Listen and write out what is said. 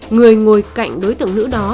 người ngồi cạnh đối tượng nữ đó